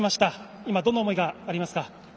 今、どんな思いがありますか？